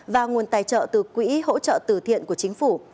và nguồn tài trợ từ quỹ hỗ trợ từ thiện của chính phủ